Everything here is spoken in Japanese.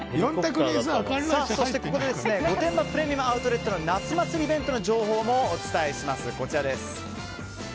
そして、ここで御殿場プレミアム・アウトレットの夏祭りイベントの情報もお伝えします。